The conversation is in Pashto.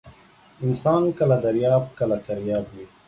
انسان کله درياب ، کله کرياب وى.